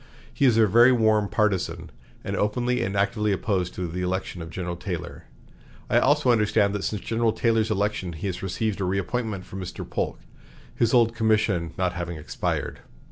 He is a very warm partizan, and openly and actively opposed to the election of General Taylor. I also understand that since General Taylor's election he has received a reappointment from Mr. Polk, his old commission not having expired.